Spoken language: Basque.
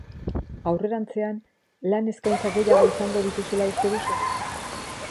Aurrerantzean lan-eskaintza gehiago izango dituzula uste duzu?